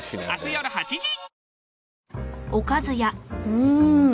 うん！